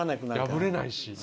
破れないし。